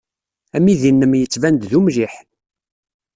Amidi-nnem yettban-d d umliḥ.